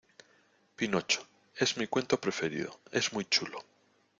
pinocho. es mi cuento preferido . es muy chulo .